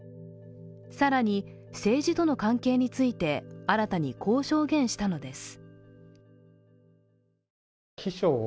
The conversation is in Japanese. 更に、政治との関係について、新たにこう証言したのです。